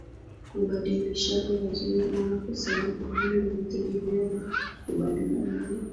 kubadilishana mazoea bora Kusanyiko hilo hutegemea makubaliano ya